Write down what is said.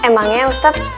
emangnya ustazah doyoi